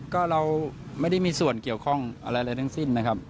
ก็เราไม่ได้มีส่วนเกี่ยวข้องอะไรเลยทั้งสิ้นนะครับ